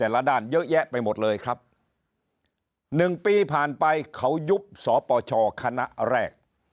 ด้านเยอะแยะไปหมดเลยครับหนึ่งปีผ่านไปเขายุบสปชคณะแรก